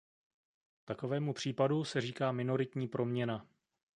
Takovému případu se říká minoritní proměna.